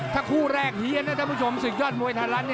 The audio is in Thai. ถ้าคู่แรกเหี้ยนนะท่านผู้ชมสิทธิ์ยอดมวยธรรม